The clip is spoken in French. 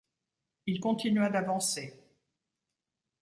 Il continua d’avancer